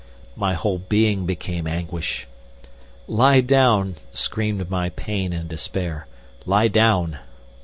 My whole being became anguish. "Lie down!" screamed my pain and despair; "lie down!"